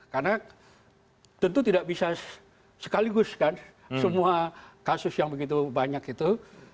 karena tentu tidak bisa sekaligus kan semua kasus yang begitu banyak itu